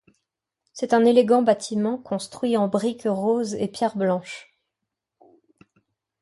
C'est un élégant bâtiment construit en brique rose et pierre blanche.